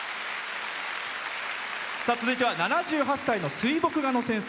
続いては７８歳の水墨画の先生。